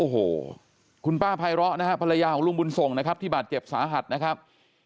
โอ้โหคุณป้าไพร้อนะฮะภรรยาของลุงบุญส่งนะครับที่บาดเจ็บสาหัสนะครับ